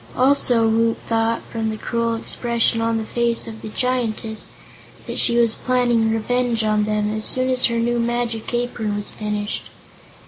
Also Woot thought, from the cruel expression on the face of the Giantess, that she was planning revenge on them, as soon as her new magic apron was finished.